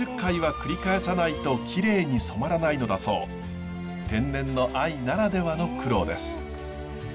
最低でも天然の藍ならではの苦労です。